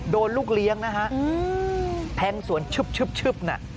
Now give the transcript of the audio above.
ลูกเลี้ยงนะฮะแทงสวนชึบน่ะ